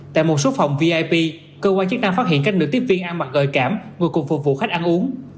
tại một số phòng vip cơ quan chức năng phát hiện các nữ tiếp viên ăn mặc gợi cảm ngồi cùng phục vụ khách ăn uống